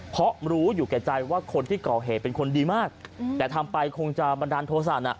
เพราะรู้อยู่แก่ใจว่าคนที่ก่อเหตุเป็นคนดีมากแต่ทำไปคงจะบันดาลโทษะน่ะ